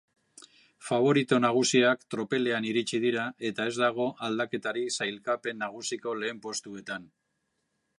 Faborito nagusiak tropelean iritsi dira eta ez dago aldaketarik sailkapen nagusiko lehen postuetan.